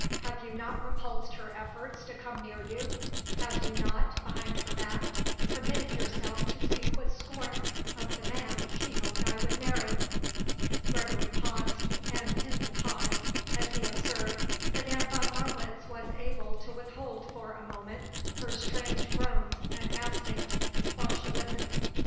Have you not repulsed her efforts to come near you? Have you not, behind her back, permitted yourself to speak with scorn of the man she hoped I would marry?" Gregory paused, and in the pause, as he observed, Madame von Marwitz was able to withhold for a moment her strange groans and gaspings while she listened.